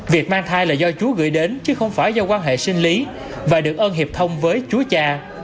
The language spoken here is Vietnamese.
việc mang thai là do chúa gửi đến chứ không phải do quan hệ sinh lý và được ơn hiệp thông với chú cha